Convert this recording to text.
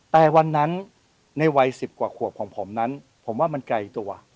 แต่วันนั้นในวัย๑๐กว่าขวบของผมนั้นผมว่ามันไกลตัว